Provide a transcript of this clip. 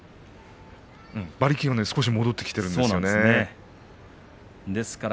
馬力が少し戻ってきているんですよね。